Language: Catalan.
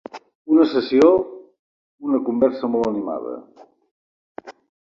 Una sessió, una conversa molt animada.